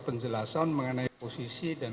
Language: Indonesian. penjelasan mengenai posisi dan